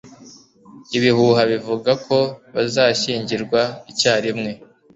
Ibihuha bivuga ko bazashyingirwa icyarimwe